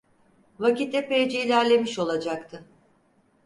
Vakit epeyce ilerlemiş olacaktı.